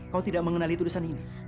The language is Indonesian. kau tidak mengenali tulisan ini